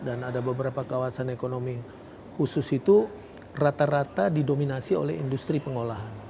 dan ada beberapa kawasan ekonomi khusus itu rata rata didominasi oleh industri pengolahan